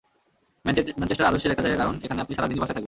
Manchester আদর্শ একটা জায়গা, কারণ এখানে আপনি সারা দিনই বাসায় থাকবেন।